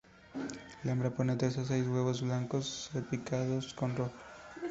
La hembra pone tres a seis huevos blanco, salpicados con rojo.